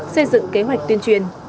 xây dựng kế hoạch tuyên truyền